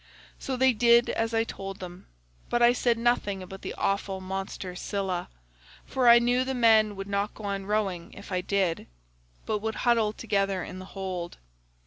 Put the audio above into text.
"So they did as I told them; but I said nothing about the awful monster Scylla, for I knew the men would not go on rowing if I did, but would huddle together in the hold.